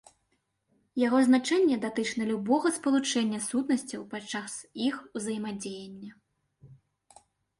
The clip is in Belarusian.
Яго значэнне датычна любога спалучэння сутнасцяў падчас іх узаемадзеяння.